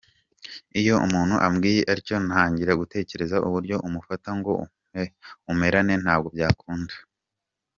Iyo umuntu ambwiye atyo ntangira gutekereza uburyo utamfata ngo umperane, ntabwo byakunda.